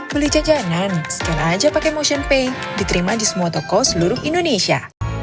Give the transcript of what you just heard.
beli jajanan scan aja pake motionpay diterima di semua toko seluruh indonesia